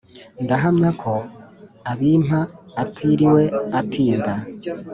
ndahamyako abimpa atiriwe atinda